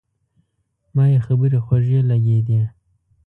ما یې خبرې خوږې لګېدې.